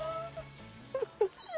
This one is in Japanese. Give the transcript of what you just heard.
フフフッ。